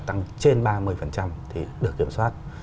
tăng trên ba mươi thì được kiểm soát